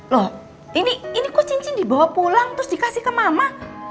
loh ini kucing dibawa pulang terus dikasih ke mama